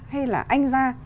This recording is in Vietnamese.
hay là anh ra